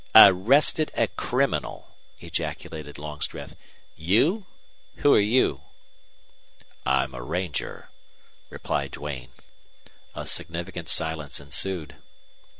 "Arrested a criminal!" ejaculated Longstreth. "You? Who're you?" "I'm a ranger," replied Duane. A significant silence ensued.